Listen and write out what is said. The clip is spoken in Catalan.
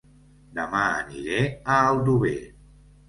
Dema aniré a Aldover